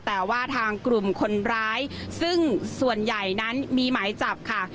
แต่ว่าทางกลุ่มคนร้ายซึ่งส่วนใหญ่นั้นมีหมายจับค่ะ